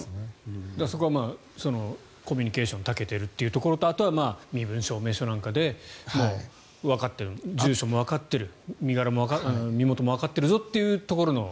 そこはコミュニケーションに長けているというところとあとは身分証明書なんかで住所もわかっている身元もわかってるぞというところで。